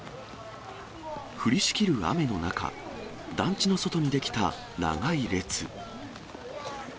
降りしきる雨の中、団地の外に出来た長い列。